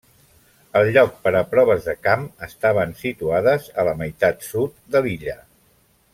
El lloc per a proves de camp estaven situades a la meitat sud de l'illa.